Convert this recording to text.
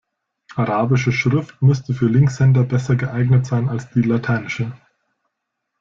Arabische Schrift müsste für Linkshänder besser geeignet sein als die lateinische.